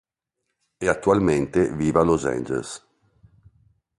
E attualmente vive a Los Angeles.